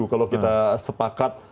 kalau kita sepakat